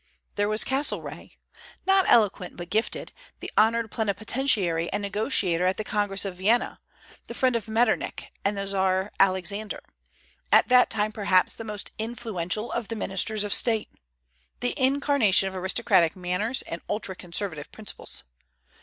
There was Castlereagh, not eloquent, but gifted, the honored plenipotentiary and negotiator at the Congress of Vienna; the friend of Metternich and the Czar Alexander; at that time perhaps the most influential of the ministers of state, the incarnation of aristocratic manners and ultra conservative principles.